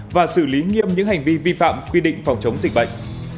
và xử lý nghiêm những hành vi vi phạm quy định phòng chống dịch bệnh